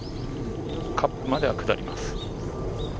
カップまでは下ります。